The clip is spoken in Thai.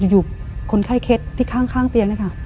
อยู่คนไข้เคล็ดที่ข้างเตียงนะคะ